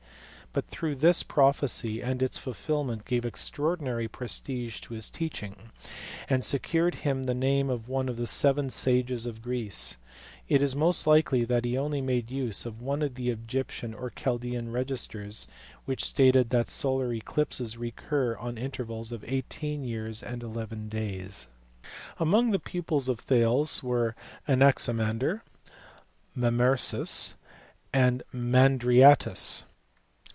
But though this pro phecy and its fulfilment gave extraordinary prestige to his teaching, and secured him the name of one of the seven sages of Greece, it is most likely that he only made use of one of the Egyptian or Chaldaean registers which stated that solar eclipses recur at intervals of 18 years and 11 H^.s Among the pupils of Thale; were Anaximander, Mamercus, and Mandryatus.